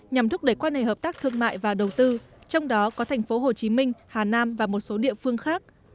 nhằm thúc đẩy quan hệ hợp tác thương mại và đầu tư trong đó có thành phố hồ chí minh hà nam và một số địa phương khác